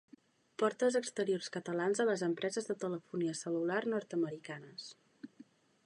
Portes exteriors catalans a les empreses de telefonia cel·lular nord-americanes.